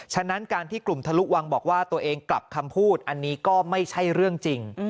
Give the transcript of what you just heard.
ฉะนั้นการที่กลุ่มทะลุวังบอกว่าตัวเองกลับคำพูดอันนี้ก็ไม่ใช่เรื่องจริง